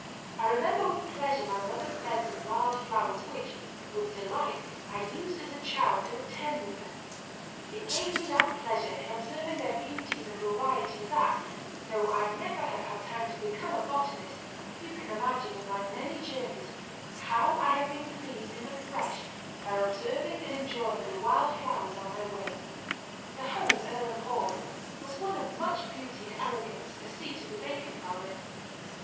I remember with pleasure my mother's beds of wild flowers, which, with delight, I used as a child to attend with her; it gave me that pleasure in observing their beauties and varieties that, though I never have had time to become a botanist, few can imagine, in my many journeys, how I have been pleased and refreshed by observing and enjoying the wild flowers on my way." The home, Earlham Hall, was one of much beauty and elegance, a seat of the Bacon family.